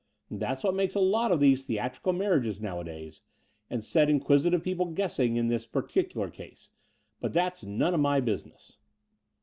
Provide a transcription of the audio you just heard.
That's what makes a lot of these theatrical marriages nowadays, and set inquisitive people guessing in this particular case : but that's none of my business.